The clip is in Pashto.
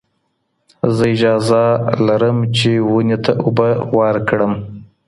زه اجازه لرم چي ونې ته اوبه ورکړم.